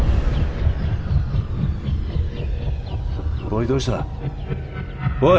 おいどうした？おい！